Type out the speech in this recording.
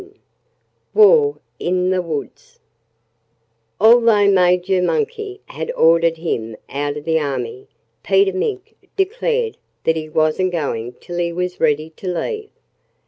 XI War in the Woods Although Major Monkey had ordered him out of the army, Peter Mink declared that he wasn't going till he was ready to leave.